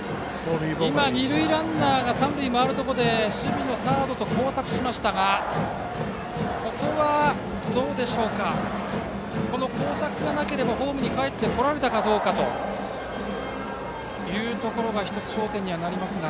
今、二塁ランナーが三塁を回るところで守備のサードと交錯しましたがここは、交錯がなければホームにかえってこられたかどうかというところが１つ、焦点になりますが。